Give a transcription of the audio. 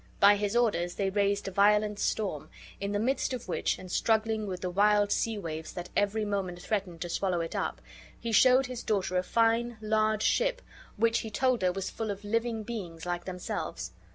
By his orders they raised a violent storm, in the midst of which, and struggling with the wild sea waves that every moment, threatened to swallow it up, he showed his daughter a fine large ship, which he told her was full of living beings like themselves.